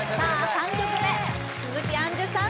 ３曲目鈴木杏樹さん